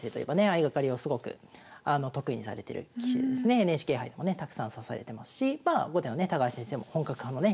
相掛かりをすごく得意にされてる棋士でですねＮＨＫ杯でもねたくさん指されてますしまあ後手のね高橋先生も本格派のね